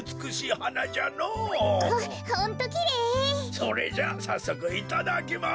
それじゃあさっそくいただきます！